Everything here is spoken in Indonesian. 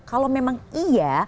kalau memang iya